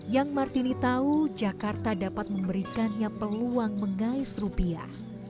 yang martini tahu jakarta dapat memberikannya peluang mengais rupiah